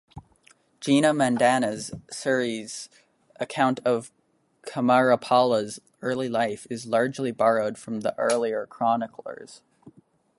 Jina-Mandana Suri's account of Kumarapala's early life is largely borrowed from the earlier chroniclers.